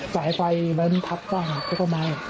สายไฟแวนทับบ้างแล้วก็ไม้